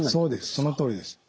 そのとおりです。